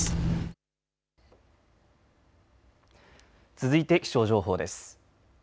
続いて気象情報です。